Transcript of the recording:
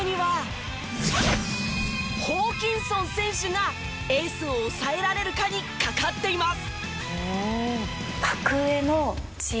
ホーキンソン選手がエースを抑えられるかにかかっています。